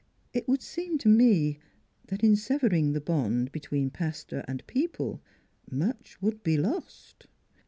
" It would seem to me that in severing the bond between pastor and people much would be lost."